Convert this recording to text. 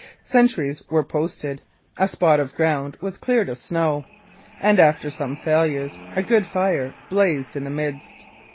Sentries were posted; a spot of ground was cleared of snow, and, after some failures, a good fire blazed in the midst.